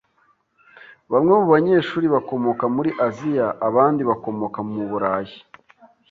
Bamwe mu banyeshuri bakomoka muri Aziya abandi bakomoka mu Burayi.